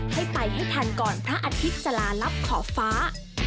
ให้ไปให้ทันก่อนพระอาทิตย์จะลาลับขอบฟ้า